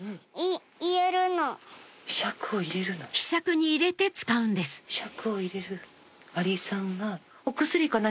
ひしゃくに入れて使うんですひしゃくを入れるアリさんが。